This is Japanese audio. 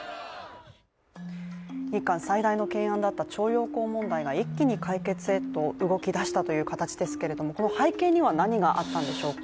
日韓最大の懸案だった徴用工問題が一気に解決へと、動き出したという形ですけれどもこの背景には何があったんでしょうか？